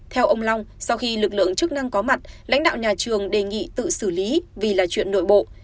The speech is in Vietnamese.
theo ông long sau khi lực lượng chức năng có mặt lãnh đạo nhà trường đề nghị tự xử lý vì là chuyện nội bộ